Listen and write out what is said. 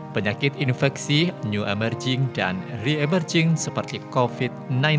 penyakit infeksi new emerging dan re emerging seperti covid sembilan belas